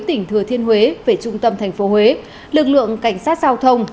tỉnh thừa thiên huế về trung tâm thành phố huế lực lượng cảnh sát giao thông